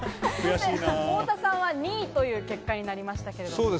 太田さんは２位という結果になりました。